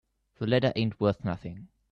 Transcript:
The letter ain't worth nothing.